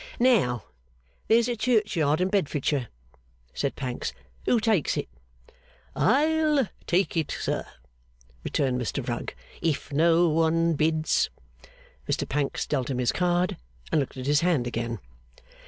'Now, there's a churchyard in Bedfordshire,' said Pancks. 'Who takes it?' 'I'll take it, sir,' returned Mr Rugg, 'if no one bids.' Mr Pancks dealt him his card, and looked at his hand again.